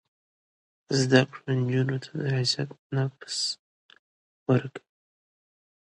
زده کړه نجونو ته د عزت نفس ورکوي.